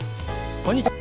こんにちは。